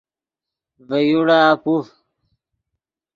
ڤے یوڑا پوف